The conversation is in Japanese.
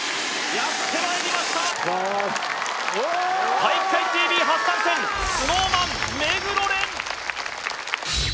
やってまいりました「体育会ＴＶ」初参戦ＳｎｏｗＭａｎ目黒蓮！